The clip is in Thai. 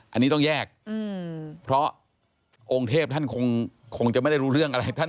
อันนี้ต้องแยกเพราะองค์เทพท่านคงจะไม่ได้รู้เรื่องอะไร